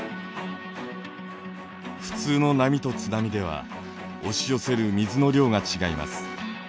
普通の波と津波では押し寄せる水の量が違います。